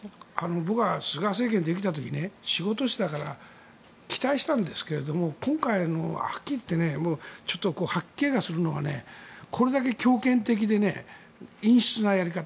僕は菅政権ができた時に仕事師だから期待してたんだけど今回のはっきり言ってちょっと吐き気がするのはこれだけ強権的で陰湿なやり方。